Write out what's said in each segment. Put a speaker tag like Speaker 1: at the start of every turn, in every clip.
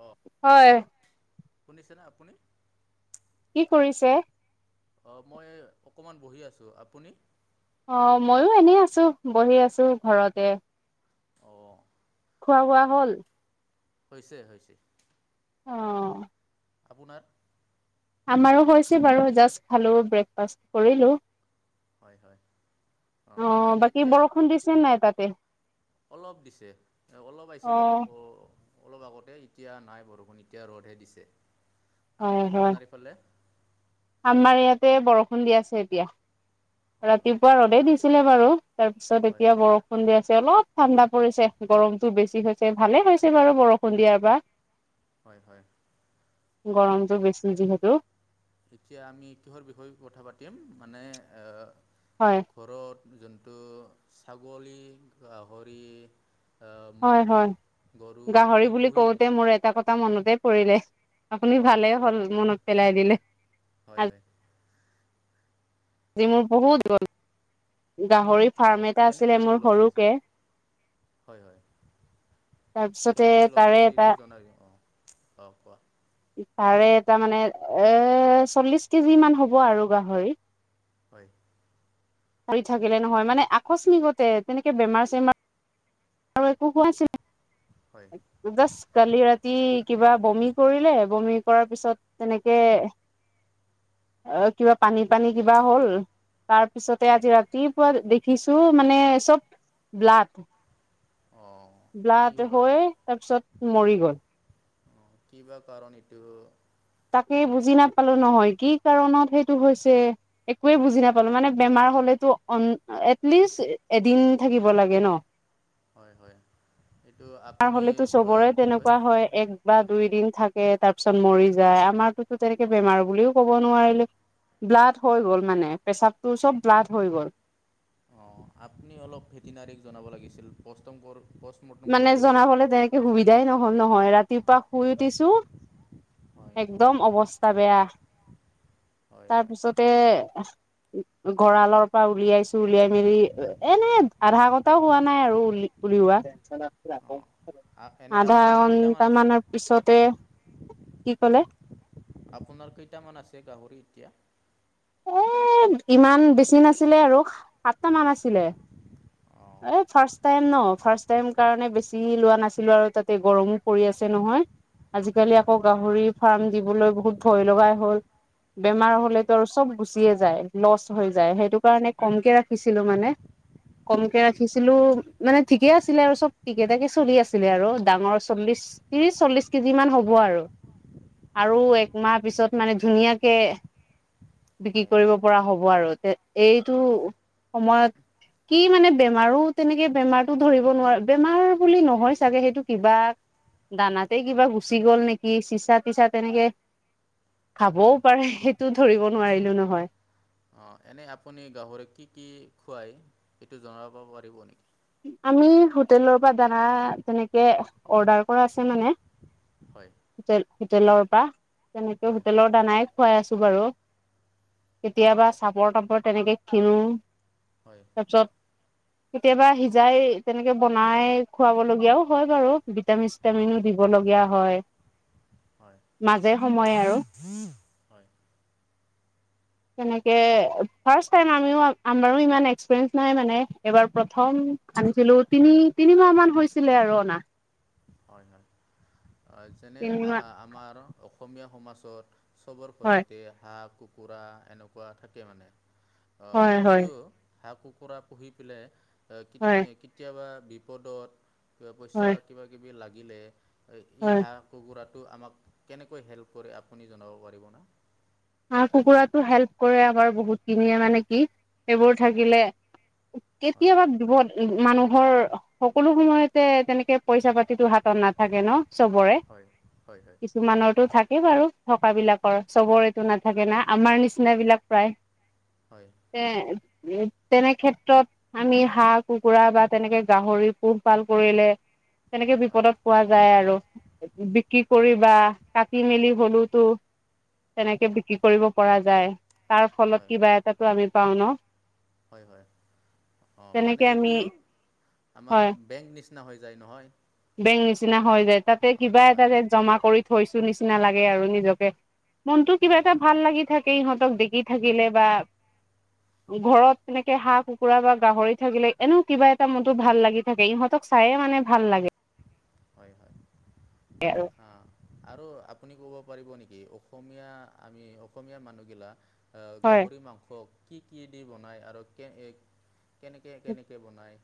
Speaker 1: অঁ
Speaker 2: হয়।
Speaker 1: শুনিছেনে আপুনি?
Speaker 2: কি কৰিছে?
Speaker 1: অ মই অকমান বহি আছো, আপুনি?
Speaker 2: অ ময়ো এনেই আছো বহি আছো ঘৰতে।
Speaker 1: অ।
Speaker 2: খোৱা বোৱা হল?
Speaker 1: হৈছে হৈছে।
Speaker 2: অ'।
Speaker 1: আপোনাৰ
Speaker 2: আমাৰো হৈছে বাৰু জাষ্ট খালো ব্ৰেকফাষ্ট কৰিলো।
Speaker 1: হয় হয় অঁ
Speaker 2: অ',
Speaker 1: আমি
Speaker 2: বাকী
Speaker 1: এতিয়া
Speaker 2: বৰষুণ
Speaker 1: কথা
Speaker 2: দিছে নে নাই তাতে।
Speaker 1: অলপ দিছে অলপ আহিছিল আকো
Speaker 2: অ',
Speaker 1: অলপ আগতে এতিয়া নাই বৰষুণ এতিয়া ৰদ হে দিছে আম
Speaker 2: হয়, হয়,
Speaker 1: আপোনাৰ ইফালে?
Speaker 2: আমাৰ ইয়াতে বৰষুণ দি আছে এতিয়া,
Speaker 1: হয়
Speaker 2: ৰাতিপুৱা ৰদে দিছিলে বাৰু। তাৰ পিছত
Speaker 1: হয়
Speaker 2: এতিয়া বৰষুণ দিয়া অলপ ঠাণ্ডা পৰিছে গৰমটো বেছি হৈছে, ভালে হৈছে বাৰু বৰষুণ দিয়াৰ
Speaker 1: হয় হয়
Speaker 2: পা।
Speaker 1: অঁ
Speaker 2: গৰমটো বেছি যিহেতু।
Speaker 1: এতিয়া আমি কিহৰ বিষয়ে কথা পাতিম মানে
Speaker 2: হয়,
Speaker 1: ঘৰত যোনটো ছাগলী, গাহৰি।
Speaker 2: হয় হয়,
Speaker 1: গৰু
Speaker 2: গাহৰি
Speaker 1: এইটো
Speaker 2: বুলি
Speaker 1: পুহি
Speaker 2: কওঁতে মোৰ এটা কথা মনতে পৰিলে। আপুনি
Speaker 1: অঁ
Speaker 2: ভালেই
Speaker 1: কোৱা
Speaker 2: হ'ল মনত পেলাই দিলে।
Speaker 1: হয় হয়।
Speaker 2: আজি মোৰ বহুত গ'ল গাহৰি
Speaker 1: অঁ
Speaker 2: ফাৰ্ম এটা আছিলে
Speaker 1: কেনেকৈ
Speaker 2: মোৰ
Speaker 1: লছ হৈছে
Speaker 2: সৰুকে
Speaker 1: হয় হয়
Speaker 2: তাৰপিছতে
Speaker 1: কেনেকৈ
Speaker 2: তাৰে
Speaker 1: লৈছে
Speaker 2: এটা
Speaker 1: সেইটো জনাই, অ', অ', কোৱা।
Speaker 2: তাৰে এটা মানে এ চল্লিছ কেজি মান হ'ব আৰু গাহৰি।
Speaker 1: হয়।
Speaker 2: হাৰি থাকিলে নহয় মানে আকস্মিকতে তেনেকে বেমাৰ-চেমাৰ আৰু একো হোৱা নাছিল
Speaker 1: হয়
Speaker 2: [unintelligible] যাস্ত কালি ৰাতি কিবা বমি কৰিলে, বমি কৰাৰ পিছত তেনেকে অ', কিবা পানী পানী কিবা হ'ল তাৰপিছতে
Speaker 1: হয়
Speaker 2: আজি ৰাতিপুৱা দেখিছো মানে চব ব্লাড
Speaker 1: অঁ কি
Speaker 2: ব্লাড
Speaker 1: বা
Speaker 2: হৈ তাৰপিছত মৰি গ'ল।
Speaker 1: কি বা কাৰণ এইটো?
Speaker 2: তাকে
Speaker 1: অঁ
Speaker 2: বুজি নাপালো নহয় কি কাৰণত সেইটো হৈছে, একোৱে বুজি
Speaker 1: অঁ
Speaker 2: নাপালো, মানে বেমা ৰ হলেটো অন এটলিছ এদিন থাকিব লাগে নহ??
Speaker 1: হয় হয়। এইটো
Speaker 2: বেমাৰ
Speaker 1: আপুনি
Speaker 2: হলেতো চবৰে
Speaker 1: কি কয়
Speaker 2: তেনেকুৱা হয় এক বা দুই দিন থাকে। তাৰপিছত মৰি যায় আমাৰটোতো তেনেকে বেমাৰ বুলিও ক'ব নোৱাৰিলো ব্লাড হৈ গ'ল মানে, পেচাবটো চব ব্লাড হৈ গ'ল।
Speaker 1: অ', আপুনি অলপ ভেতেনিয়াৰীক জনাব লাগিছিল, পষ্টংকৰ
Speaker 2: মানে জনাবলে তেনেকে সুবিধাই নহল নহয় ৰাতি পুৱা শুই উঠিছো,
Speaker 1: হয়
Speaker 2: একদম অৱস্থা বেয়া।
Speaker 1: হয় হয়
Speaker 2: তাৰপিছতে গঁৰালৰ পৰা উলিয়াইছো উলিয়াই মেলি এনে আধা ঘণ্টাও হোৱা নাই আৰু উলি উলিওৱা। [unintelligible]
Speaker 1: অঁ এনে
Speaker 2: আধা
Speaker 1: আপোনাৰ কেইটামান
Speaker 2: ঘন্টা
Speaker 1: আছে
Speaker 2: মানৰ পিছতে কি কলে?
Speaker 1: আপোনাৰ কেইটামান আছে গাহৰি এতিয়া?
Speaker 2: এ ইমান বেছি নাছিলে আৰু সাতটা মান আছিলে।
Speaker 1: অঁ
Speaker 2: এই ফাৰ্ষ্ট টাইম ন ফাৰ্ষ্ট টাইম কাৰণে বেছি লোৱা নাছিলো আৰু, তাতে গৰমো পৰি আছে নহয়। আজিকালি
Speaker 1: হয়
Speaker 2: আকৌ
Speaker 1: হয়
Speaker 2: গাহৰি ফাৰ্ম দিবলৈ বহুত ভয় লগাই হল। বেমাৰ
Speaker 1: হয় হয়
Speaker 2: হলেটো আৰু চব গুচিয়েই যায় লস্ত হৈ
Speaker 1: হয়
Speaker 2: যায়
Speaker 1: হয়
Speaker 2: সেইটো কাৰণে কমকে ৰাখি ছিলো মানে।
Speaker 1: হয়
Speaker 2: কমকে
Speaker 1: হয়
Speaker 2: ৰাখিছিলো, মানে ঠিকে আছিলে আৰু চব ঠিকে থাকে চলি আছিলে আৰু ডাঙৰ চল্লিশ তিৰিছ চল্লিশ কেজি মান হ'ব আৰু। আৰু
Speaker 1: হয় হয়
Speaker 2: একমাহ পিছত মানে ধুনীয়াকে বিক্ৰী
Speaker 1: হয়
Speaker 2: কৰিব পৰা হ' ব আৰু এইটো সময়ত কি মানে বেমাৰো তেনেকে বেমাৰো ধৰিব নোৱাৰে বেমাৰ বুলি
Speaker 1: অঁ
Speaker 2: নহয় চাগে সেইটো কিবা দানাতে
Speaker 1: অঁ
Speaker 2: কিবা গুচি গল নেকি চিচা-তিচা তেনেকে খাবও পাৰে সেইটো ধৰিব
Speaker 1: অ
Speaker 2: নোৱাৰিলো নহয়
Speaker 1: অ এনেই আপুনি গাহৰিক কি কি খুৱাই এইটো জনাব পাৰিব নেকি?
Speaker 2: আমি হোটেলৰ পৰা দানা তেনেকে অৰ্ডাৰ কৰা আছে মানে
Speaker 1: হয়।
Speaker 2: হোটেল হোটেলৰ পৰা তেনেকেও
Speaker 1: হয়
Speaker 2: হোটেলৰ দানায়েই খুৱাই আছো বাৰু কেতিয়াবা চাপৰ-তাপৰ তেনেকে কিনো।
Speaker 1: হয়
Speaker 2: তাৰপিছত কেতিয়াবা সিযাই তেনেকে বনাই খুৱাব লগীয়াও হয় বাৰু। ভিটামিন
Speaker 1: হয়
Speaker 2: চিটামিন দিব লগীয়া হয়।
Speaker 1: হয়
Speaker 2: মাজে সময়ে আৰু
Speaker 1: ভম ভম হয় [unintelligible]
Speaker 2: তেনেকে ফাষ্ট টাইম আমিও আমাৰো ইমান এক্সপিৰিয়েন্ঞ্চ নাই মানে এইবাৰ প্ৰথম। আনিছিলো তিনি তিনিমাহ মান হৈছিলে আৰু অনা।
Speaker 1: হয়-হয় যেনে
Speaker 2: তিনিমাহ
Speaker 1: আমাৰ অসমীয়া সমাজত চবৰ
Speaker 2: হয়
Speaker 1: ঘৰতে হাঁহ, কুকুৰা এনেকুৱা থাকে মানে। অ'
Speaker 2: হয় হয়
Speaker 1: এইটো হাঁহ-কুকুৰা পুহি পেলাই
Speaker 2: হয়
Speaker 1: এ কেতিয়াবা বিপদত কিবা পইচা
Speaker 2: হয়
Speaker 1: কিবা কিবি লাগিলে ই
Speaker 2: হয়
Speaker 1: হাঁহ, কুকুৰাত। টো আমাক কেনেকৈ হেল্প কৰে আুনি জনাব পাৰিবনে?
Speaker 2: হাঁহ কুকুৰাতো হেল্প কৰে আমাৰ বহুতখিনিয়ে মানে কি এইবোৰ থাকিলে।
Speaker 1: হয়
Speaker 2: কেতিয়াবা দিব উ, মানুহৰ সকলো সময়তে তেনেকে পইচা পাতিতো হাতত নাথাকে ন। চবৰে
Speaker 1: হয় হয় হয়
Speaker 2: কিছুমানৰটো থাকেই বাৰু থকা বিলাকৰ চবৰে। টো নাথাকে না আমাৰ নিচিনা বিলাক প্ৰায়
Speaker 1: হয়
Speaker 2: এ, উ, তেনে কেত্ৰত আমি হাঁহ কুকুৰা বা তেনেকে গাহৰি পোহপাল কৰিলে। তেনেকে
Speaker 1: হয়
Speaker 2: বিপদত পোৱা যায় আৰু বিক্ৰী কৰি
Speaker 1: হয়
Speaker 2: বা কাটি মেলি হলেওতো তেনেকে বিক্ৰী কৰিব পৰা যায়। তাৰ ফলত কিবা এটা আমি পাও ন।
Speaker 1: হয়-হয় অ' মানে
Speaker 2: তেনেকে আমি
Speaker 1: এইটো আমাৰ
Speaker 2: হয়
Speaker 1: বেং নি নিচিনা হৈ যায় নহয়।
Speaker 2: বেংক নিচিনা
Speaker 1: মানে
Speaker 2: হৈ যায় তাতে
Speaker 1: হয়
Speaker 2: কিবা এটা
Speaker 1: হয়
Speaker 2: ৰে জমা কৰি থৈছো নিচিনা। নিচিনা লাগে আৰু নিজকে মনতো কিবা
Speaker 1: হয়
Speaker 2: এটা
Speaker 1: হয়
Speaker 2: ভাল লাগি থাকে। ইহঁতক দেখি থাকিলে বা ঘৰত তেনেকে হাঁহ, কুকুৰা বা গাহৰি থাকিলে এনেও কিবা এটা মনতো ভাল লাগি থাকে ইহঁতক চায়ে মানে ভাল লাগে।
Speaker 1: হয়
Speaker 2: আৰু
Speaker 1: আৰু আপুনি কব। পাৰিব নেকি অসমীয়া আমি অসমীয়া মানুহগিলাক
Speaker 2: হয়
Speaker 1: গাহৰি মাংসক কি-কি দি বনায় আৰু কে কেনেকৈ কেনেকৈ বনায়।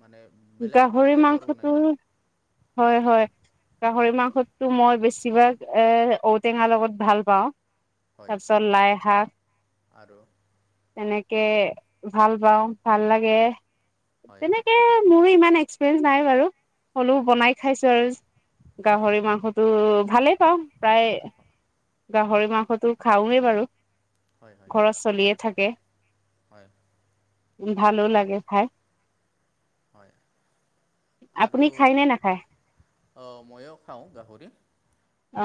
Speaker 1: মানে বেলেগ টাইপৰ বনাই না।
Speaker 2: হয়-হয়। গাহৰি মাংসতটো মই বেছিভাগ এ ঔটেঙাৰ লগত ভাল পাওঁ।
Speaker 1: হয়
Speaker 2: তাৰপিছত লাই শাক।
Speaker 1: আৰু
Speaker 2: তেনেকে ভাল পাওঁ ভাল লাগে
Speaker 1: হয়
Speaker 2: তেনেকে আৰু। মোৰো ইমান এক্সপিৰিয়েঞ্চ নাই বাৰু হলেও
Speaker 1: হয়
Speaker 2: বনাই খাইছো আৰু। গাহৰি মাংসটো ভালেই পাওঁ প্ৰায় গাহৰি মাংসতো খাওৱেই বাৰু
Speaker 1: হয় হয়
Speaker 2: ঘৰত চলিয়ে থাকে।
Speaker 1: হয়
Speaker 2: ভালো
Speaker 1: অঁ
Speaker 2: লাগে খাই।
Speaker 1: হয়। আৰু
Speaker 2: আপুনি খায় নে নাখায়
Speaker 1: ময়ো খাওঁ গাহৰি।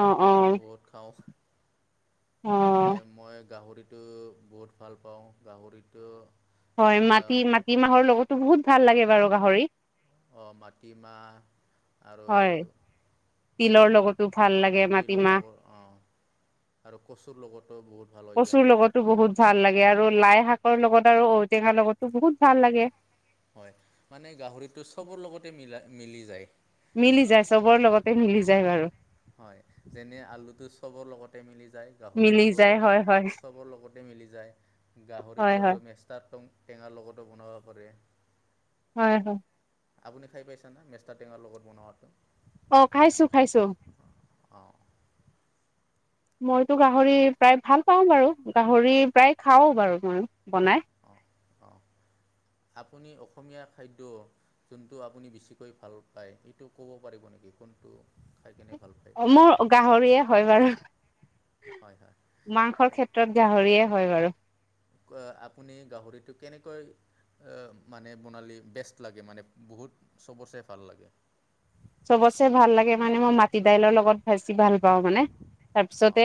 Speaker 2: অ অ
Speaker 1: বহুত খাওঁ।
Speaker 2: অ
Speaker 1: এনে মই গাহৰিটো বহুত ভাল পাওঁ গাহৰিটো,
Speaker 2: হয়, মাটি
Speaker 1: আম,
Speaker 2: মাটিমাহৰ লগতো বহুত ভাল লাগে বাৰু গাহৰি।
Speaker 1: অ' মাটিমাহ আৰু
Speaker 2: হয় তিলৰ লগতো ভাল লাগে
Speaker 1: তিলৰ লগত
Speaker 2: মাটিমাহ।
Speaker 1: অঁ আৰু কচুৰ লগতো বহুত ভাল হৈ
Speaker 2: কচুৰ লগতো
Speaker 1: যায়।
Speaker 2: বহুত ভাল আৰু লাই শাকৰ লগত আৰু ঔটেঙাৰ লগতো বহুত ভাল লাগে।
Speaker 1: হয় মানে গাহৰিটো চবৰ লগতে মিলা মিলি যায়।
Speaker 2: মিলি যায় চবৰ লগতে মিলি যায় বাৰু।
Speaker 1: হয় যেনে আলুটো চবৰ লগতে মিলি যায়
Speaker 2: মিলি
Speaker 1: গাহৰিটো।
Speaker 2: যায় হয় হয়
Speaker 1: চবৰ লগতে মিলি যায়
Speaker 2: হয়
Speaker 1: গাহৰিটো
Speaker 2: হয়
Speaker 1: আৰু মেষ্টাৰ টং- টেঙাৰ লগতো বনাব পাৰে।
Speaker 2: হয় হয়।
Speaker 1: আপুনি খাই পাইছে না মেষ্টা টেঙাৰ লগত বনোৱাটো।
Speaker 2: অ খাইছো খাইছো।
Speaker 1: অ।
Speaker 2: মইতো গাহৰি প্ৰায় ভাল পাওঁ বাৰু গাহৰি প্ৰায় খাও বাৰু মই। বনাই
Speaker 1: অ অ আপুনি অ অসমীয়া খাদ্য যোনটো আপুনি বেছিকৈ ভাল পায় সেইটো ক'ব পাৰিব নেকি কোনটো খাই কেনে ভাল পায়
Speaker 2: অ মোৰ গাহৰিয়ে হয় বাৰু
Speaker 1: হয়
Speaker 2: মাংসৰ
Speaker 1: হয়
Speaker 2: ক্ষেত্ৰত গাহৰিয়ে হয় বাৰু।
Speaker 1: আপুনি গাহৰিটো কেনেকৈ মানে বনালে বেষ্ট লাগে মানে বহুত চবচে ভাল লাগে।
Speaker 2: চবচে ভাল লাগে মানে মই মাটি দাইলৰ লগত বেছি ভাল পাওঁ মানে।
Speaker 1: অঁ
Speaker 2: তাৰপিছতে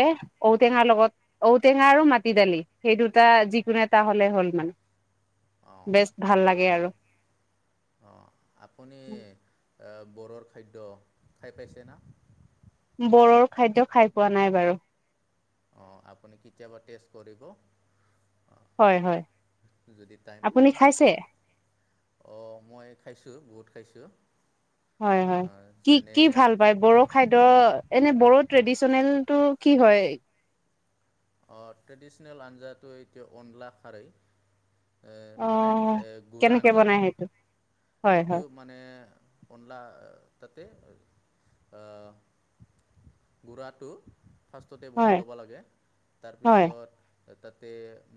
Speaker 2: ঔটেঙাৰ লগত ঔটেঙা আৰু মাটি দালি সেই দুটা যিকোনো এটা হ'লে। হ'ল মানে।
Speaker 1: অঁ
Speaker 2: বেছ ভাল
Speaker 1: বহুত
Speaker 2: লাগে আৰু।
Speaker 1: অঁ আপুনি বড়োৰ খাদ্য খাই পাইছে না?
Speaker 2: বড়োৰ খাদ্য খাই পোৱা নাই বাৰু।
Speaker 1: অ আপুনি কেতিয়াবা টেষ্ট কৰিব।
Speaker 2: হয় হয়,
Speaker 1: যদি টাইম
Speaker 2: আপুনি
Speaker 1: পায়
Speaker 2: খাইছে?
Speaker 1: অঁ মই খাইছোঁ বহুত খাইছোঁ।
Speaker 2: হয় হয় কি
Speaker 1: যেনে
Speaker 2: কি ভাল পায় বড়ো খাদ্য এনে বড়োত ট্ৰেডিচনেল টো কি হয়?
Speaker 1: অ ট্ৰেডিচনেল আঞ্জাটো এতিয়া অনলা খাৰেই। এ মানে
Speaker 2: অ'
Speaker 1: গুৰা
Speaker 2: কেনেকে
Speaker 1: আঞ্জা।
Speaker 2: বনাই সেইটো হয়
Speaker 1: এইটো
Speaker 2: হয়
Speaker 1: মানে অনলা তাতে গুৰাটো ফাৰ্ষ্টতে বনাই
Speaker 2: হয়
Speaker 1: ল'ব লাগে
Speaker 2: হয়
Speaker 1: তাৰপিছত তাতে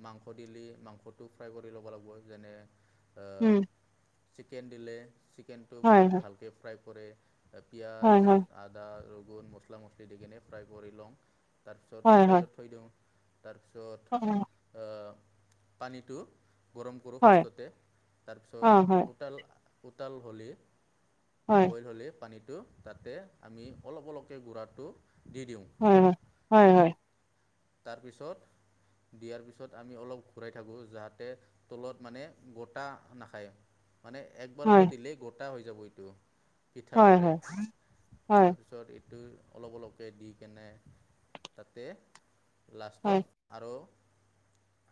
Speaker 1: মাংস দিলে মাংসটো ফ্ৰাই কৰি ল'ব লাগিব যেনে
Speaker 2: উম।
Speaker 1: চিকেন দিলে চিকেনটো
Speaker 2: হয়
Speaker 1: বহুত
Speaker 2: হয়
Speaker 1: ভালকৈ ফ্ৰাই কৰে। পিয়াজ
Speaker 2: হয়
Speaker 1: আদা ৰগুন মছলা মছলি দি কিনে ফ্ৰাই কৰি লওঁ।
Speaker 2: হয় হয়
Speaker 1: তাৰপিছত
Speaker 2: হয়
Speaker 1: ছাইডত থৈ দিও তাৰপিছত
Speaker 2: অ'
Speaker 1: পানীটো গৰম কৰোঁ
Speaker 2: হয়
Speaker 1: ফাৰ্ষ্টতে
Speaker 2: অ' হয়
Speaker 1: তাৰপিছত উতাল উতাল হ'লেই
Speaker 2: হয়
Speaker 1: বইল হ'লেই পানীত তাতে আমি অলপ অলপকৈ গুড়াটো দি দিওঁ
Speaker 2: হয় হয় হয় হয়।
Speaker 1: তাৰপিছত দিয়াৰ পিছত আমি অলপ ঘূৰাই থাকোঁ যাতে তলত মানে গোটা নাখায়। মানে একবাৰতে
Speaker 2: হয়
Speaker 1: দিলেই গোটা হৈ যাব এইটো। পিঠাৰ দৰে
Speaker 2: হয় হয়
Speaker 1: তাৰপিছত সেটো অলপ অলপকৈ দি কেনে তাতে
Speaker 2: হয়
Speaker 1: লাষ্টত আৰু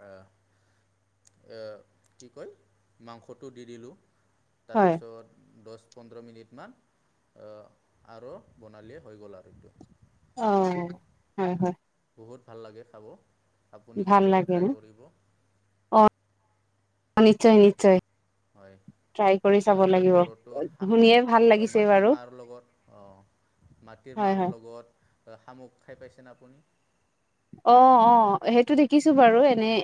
Speaker 1: আহ। কি কয় মাংস টো দি দিলো
Speaker 2: হয় হয়
Speaker 1: তাৰপিছত দ পোন্ধৰ মিনিটমান আৰু বনালেই হৈ গ'ল আৰু এইটো।
Speaker 2: অ হয় হয়।
Speaker 1: বহুত ভাল লাগে খাব আপুনি
Speaker 2: ভাল
Speaker 1: কেতিয়াবা
Speaker 2: লাগে ন
Speaker 1: ট্ৰাই কৰিব।
Speaker 2: অ নিশ্চয় নিশ্চয়।
Speaker 1: হয়।
Speaker 2: ট্ৰাই কৰি চাব
Speaker 1: আৰু তো
Speaker 2: লাগিব,
Speaker 1: বড়োটো শা
Speaker 2: শুনিয়ে ভাল
Speaker 1: অ'
Speaker 2: লাগিছে
Speaker 1: মাটিৰ
Speaker 2: বাৰু
Speaker 1: মাহৰ লগত, অ' মাটিৰ
Speaker 2: হয়
Speaker 1: মাহৰ
Speaker 2: হয়
Speaker 1: লগত শামুক খাই পাইছে নে আ আপুনি?
Speaker 2: অ' অ' সেইটো দেখিছো বাৰু এনেই।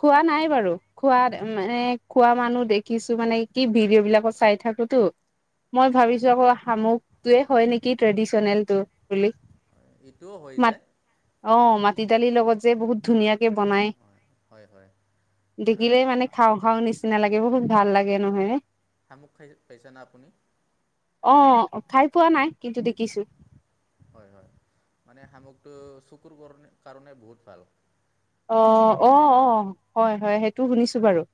Speaker 2: খোৱা নাই বাৰু! খোৱা মানে খোৱা মানুহ দেখিছোঁ, মানে কি ভিডিঅ' বিলাকত চাই থাকোঁ। [unintelligible] মই
Speaker 1: অঁ
Speaker 2: ভাবিছোঁ আকৌ শামুকটোৱে হয় নেকি ট্ৰেডিচনেল টো বুলি।
Speaker 1: এইটোও হৈ
Speaker 2: মাত
Speaker 1: যায়। উম্।
Speaker 2: অ' মাটি দালিৰ লগত যে বহুত ধুনীয়া কে বনাই,
Speaker 1: হয় হয় হয়
Speaker 2: দেখিলেই মানে খাওঁ খাওঁ নিচিনা লাগে। বহুত ভাল লাগে নহয় নে?
Speaker 1: শামুক খাই পাইছে না আপুনি?
Speaker 2: অ' খাই পোৱা নাই কিন্তু দে
Speaker 1: হয় হয় মানে সামগ চকুৰ কাৰণে বহুত ভাল,
Speaker 2: অ অ অ হয় হয় সেইটো শুনিছো বাৰু।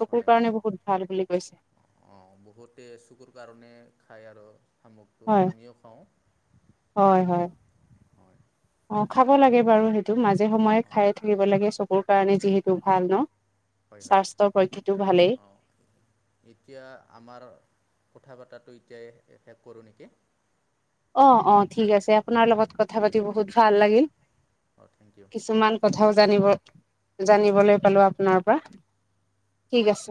Speaker 2: চকুৰ কাৰণে বহুত ভাল বুলি কৈছে।
Speaker 1: অ বহুতে চকুৰ কাৰণে খায় আৰু। শামুকটো
Speaker 2: হয়
Speaker 1: আমিও খাওঁ
Speaker 2: হয় হয়
Speaker 1: হয়।
Speaker 2: অ খাব লাগে বাৰু সেইটো মাজে সময়ে
Speaker 1: অঁ
Speaker 2: খায়ে থাকিব লাগে চকুৰ কাৰণে যিহেতু ভাল ন।
Speaker 1: হয় হয়
Speaker 2: স্বাস্থ্যৰ পক্ষেতো ভালেই
Speaker 1: অঁ, এতিয়া আমাৰ কথা পতাটো এতিয়াই শেষ কৰোঁ নেকি?
Speaker 2: অ অ ঠিক আছে আপোনাৰ লগত কথা পাতি বহুত ভাল লাগিল।
Speaker 1: অঁ থেংক ইউ
Speaker 2: কিছুমান কথাও জানিব জানিবলৈ পালোঁ আপোনাৰ পৰা ঠিক আছে।